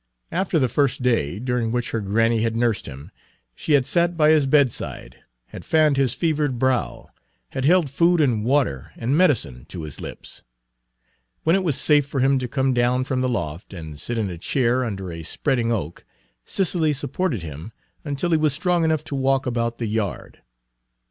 After the first day, during which her granny had nursed him, she had sat by his bedside, had fanned his fevered brow, had held food and water and medicine to his lips. When it was safe for him to come down from the loft and sit in a chair under a spreading oak, Cicely supported him until he was strong enough to walk about the yard.